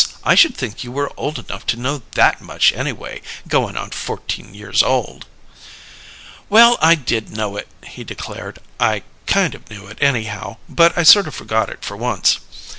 I should think you were old enough to know that much, anyway goin' on fourteen years old!" "Well, I did know it," he declared. "I kind of knew it, anyhow; but I sort of forgot it for once.